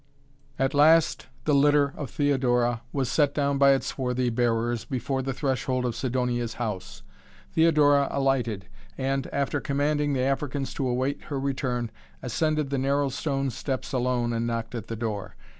At last the litter of Theodora was set down by its swarthy bearers before the threshold of Sidonia's house. Theodora alighted and, after commanding the Africans to await her return, ascended the narrow stone steps alone and knocked at the door.